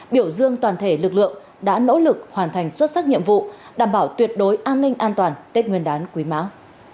biểu dương toàn thể lực lượng đã nỗ lực hoàn thành xuất sắc nhiệm vụ đảm bảo tuyệt đối an ninh an toàn tết nguyên đán quý mão